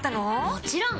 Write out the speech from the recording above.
もちろん！